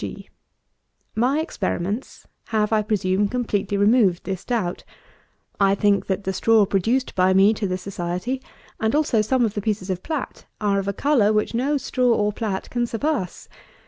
G. My experiments have, I presume, completely removed this doubt. I think that the straw produced by me to the Society, and also some of the pieces of plat, are of a colour which no straw or plat can surpass.